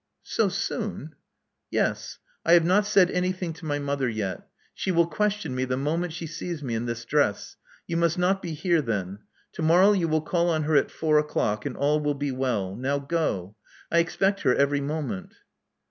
Sosoon!" *'Yes. I have not said anything to my mother yet. She will question me the moment she sees me in this dress. You must not be here then. To morrow you will call on her at four o'clock; and all will be well. Now go. I expect her every moment.